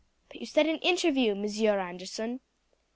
"But you said an interview, Monsieur Anderson."